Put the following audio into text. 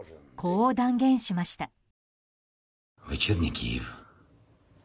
こう断言しました。